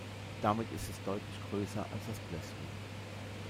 Damit ist es deutlich größer als das Blässhuhn.